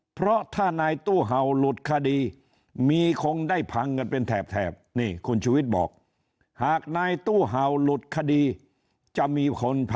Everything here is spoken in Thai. เพราะถ้านายตู้เห่าลุดคดี